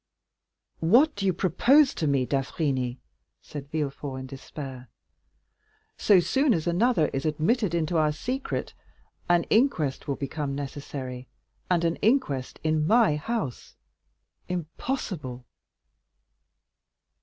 '" "What do you propose to me, d'Avrigny?" said Villefort in despair; "so soon as another is admitted into our secret, an inquest will become necessary; and an inquest in my house—impossible!